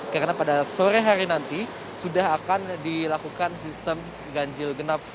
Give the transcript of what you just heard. karena pada sore hari nanti sudah akan dilakukan sistem ganjil genap